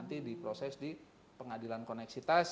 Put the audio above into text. nanti diproses di pengadilan koneksitas